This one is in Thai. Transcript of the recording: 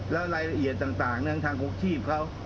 แล้วรายละเอียดต่างทางกู้ชีพเขา